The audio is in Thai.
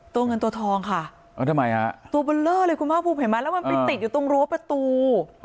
ตัวเงินตัวทองค่ะทำไมฮะตัวเบลเลอร์เลยคุณภาคภูมิเห็นไหมแล้วมันไปติดอยู่ตรงรั้วประตู